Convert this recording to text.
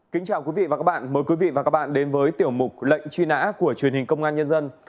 kính chào quý vị và các bạn mời quý vị và các bạn đến với tiểu mục lệnh truy nã của truyền hình công an nhân dân